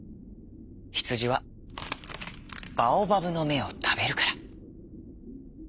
ヒツジはバオバブのめをたべるから。